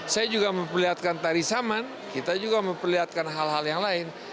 saya juga memperlihatkan tari saman kita juga memperlihatkan hal hal yang lain